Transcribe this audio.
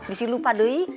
disini lupa doi